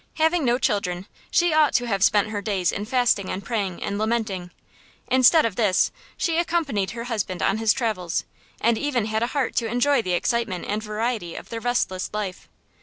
Having no children, she ought to have spent her days in fasting and praying and lamenting. Instead of this, she accompanied her husband on his travels, and even had a heart to enjoy the excitement and variety of their restless life.